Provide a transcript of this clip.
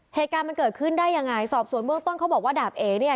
เหตุการณ์มันเกิดขึ้นได้ยังไงสอบส่วนเบื้องต้นเขาบอกว่าดาบเอ๋เนี่ย